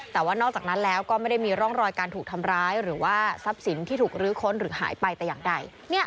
แต่ว่านอกจากนั้นแล้วก็ไม่ได้มีร่องรอยการถูกทำร้ายหรือว่าทรัพย์สินที่ถูกลื้อค้นหรือหายไปแต่อย่างใด